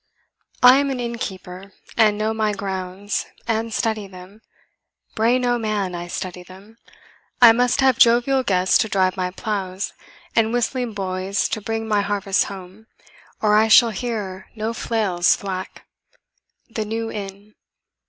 I am an innkeeper, and know my grounds, And study them; Brain o' man, I study them. I must have jovial guests to drive my ploughs, And whistling boys to bring my harvests home, Or I shall hear no flails thwack. THE NEW INN.